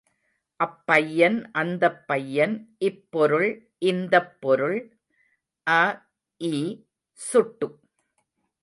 அப்பையன் அந்தப் பையன், இப்பொருள் இந்தப் பொருள் அ, இ, சுட்டு.